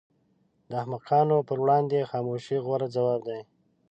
د احمقانو پر وړاندې خاموشي غوره ځواب دی.